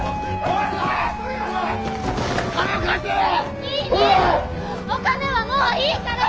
お金はもういいから！